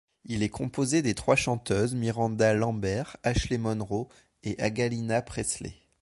Il est composé des trois chanteuses Miranda Lambert, Ashley Monroe et Angaleena Presley.